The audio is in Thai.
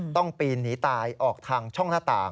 ปีนหนีตายออกทางช่องหน้าต่าง